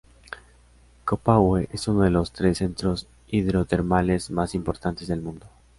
Copahue es uno de los tres centros hidrotermales más importantes del mundo.